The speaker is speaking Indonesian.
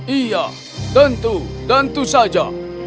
iya tentu saja